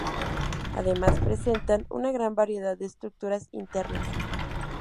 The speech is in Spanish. Además, presentan una gran variedad de estructuras internas.